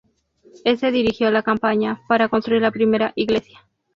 Este dirigió la campaña para construir la primera iglesia.